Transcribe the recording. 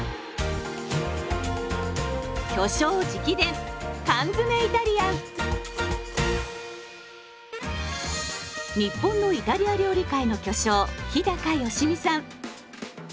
すごい。日本のイタリア料理界の巨匠日良実さん。